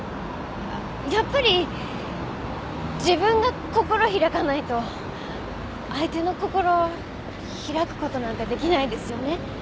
やっぱり自分が心開かないと相手の心開くことなんかできないですよね？